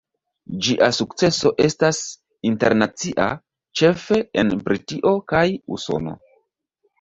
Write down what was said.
Ĝia sukceso estas internacia, ĉefe en Britio kaj Usono.